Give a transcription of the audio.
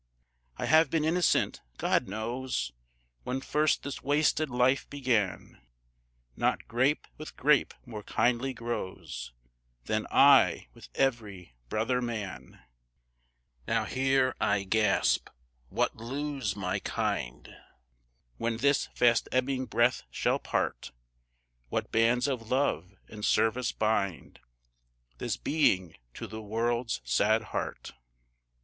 I have been innocent; God knows When first this wasted life began, Not grape with grape more kindly grows, Than I with every brother man: Now here I gasp; what lose my kind, When this fast ebbing breath shall part? What bands of love and service bind This being to the world's sad heart?